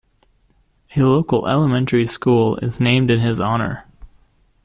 A local elementary school is named in his honor.